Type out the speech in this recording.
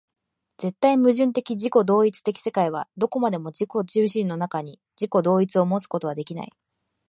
絶対矛盾的自己同一的世界はどこまでも自己自身の中に、自己同一をもつことはできない。